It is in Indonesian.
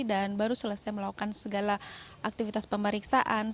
dan baru selesai melakukan segala aktivitas pemeriksaan